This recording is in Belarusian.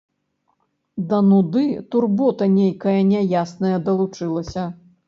Да нуды турбота нейкая няясная далучылася.